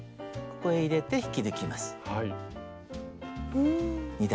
ここへ入れて引き抜きます。